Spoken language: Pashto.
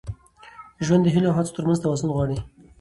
ژوند د هیلو او هڅو تر منځ توازن غواړي.